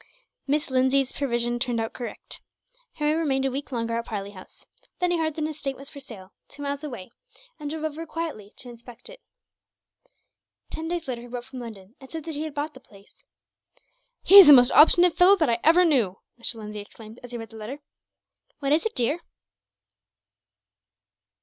Mrs. Lindsay's prevision turned out correct. Harry remained a week longer at Parley House. Then he heard that an estate was for sale, two miles away, and drove over quietly to inspect it. Ten days later he wrote from London, and said that he had bought the place. "He is the most obstinate fellow that I ever knew!" Mr. Lindsay exclaimed, as he read the letter. "What is it, dear?"